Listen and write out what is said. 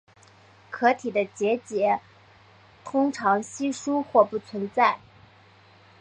壳体的结节通常稀疏或不存在。